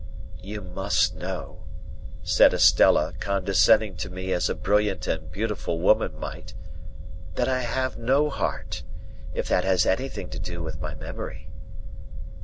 "You must know," said Estella, condescending to me as a brilliant and beautiful woman might, "that I have no heart,—if that has anything to do with my memory."